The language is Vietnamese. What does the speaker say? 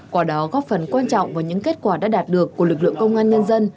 quả đó góp phần quan trọng vào những kết quả đã đạt được của lực lượng công an nhân dân